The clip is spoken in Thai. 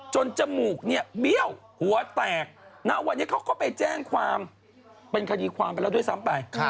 จมูกเนี่ยเบี้ยวหัวแตกณวันนี้เขาก็ไปแจ้งความเป็นคดีความไปแล้วด้วยซ้ำไป